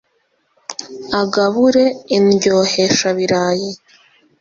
Agabure "Indyohesha birayi